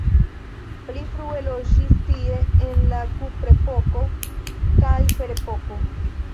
Pli frue loĝis tie en la kuprepoko kaj ferepoko.